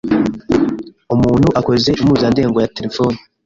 Umuntu akoze impuzandengo ya telefoni